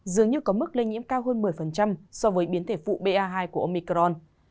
dường như có mức lây nhiễm cao hơn một mươi so với biến thể phụ ba hai của omicron